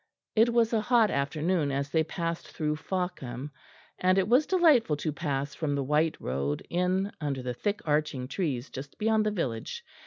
It was a hot afternoon as they passed through Fawkham, and it was delightful to pass from the white road in under the thick arching trees just beyond the village.